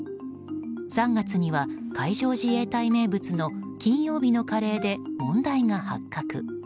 ３月には海上自衛隊名物の金曜日のカレーで問題が発覚。